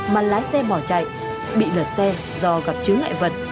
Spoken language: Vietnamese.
mà lái xe bỏ chạy bị lật xe do gặp chứng ngại vật